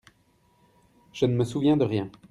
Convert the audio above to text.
Je ne me souviens de rien.